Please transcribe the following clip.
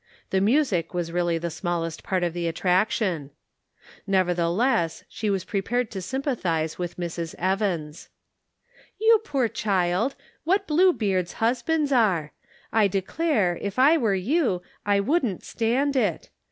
The music was really the smallest part of the attraction. Nevertheless, she was prepared to sympathize with Mrs, Evans. Conflicting Duties. 207 " You poor child ! What Blue Beards husbands are I I declare, if I were you, I wouldn't stand it